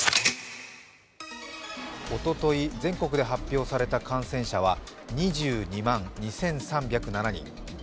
おととい全国で発表された感染者は２２万２３０７人。